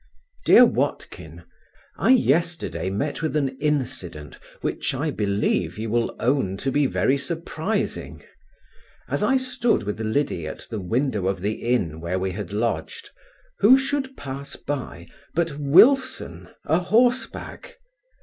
DEAR WATKIN, I yesterday met with an incident which I believe you will own to be very surprising As I stood with Liddy at the window of the inn where we had lodged, who should pass by but Wilson a horse back!